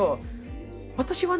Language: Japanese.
私はね